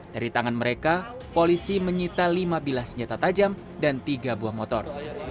dari tangan mereka polisi menyita lima bilah senjata tajam dan tiga buah motor